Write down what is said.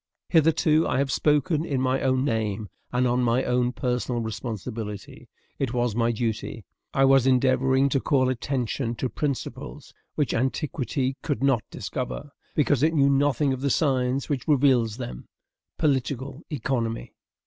Hitherto, I have spoken in my own name, and on my own personal responsibility. It was my duty. I was endeavoring to call attention to principles which antiquity could not discover, because it knew nothing of the science which reveals them, political economy.